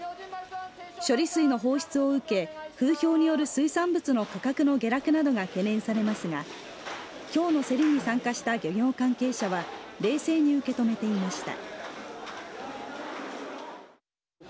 処理水の放出を受け風評による水産物の価格の下落などが懸念されますが今日の競りに参加した漁業関係者は冷静に受け止めていました。